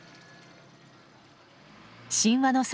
神話の里